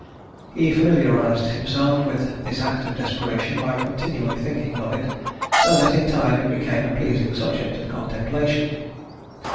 He familiarised himself with this act of desperation by continually thinking of it; so that in time it became a pleasing subject of contemplation.